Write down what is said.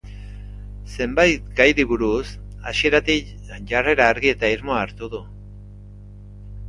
Zenbait gairi buruz, hasieratik jarrera argi eta irmoa hartu du.